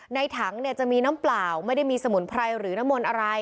ในถังเนี่ยจะมีน้ำเปล่าไม่ได้มีสมุนไพรหรือน้ำมนต์อะไร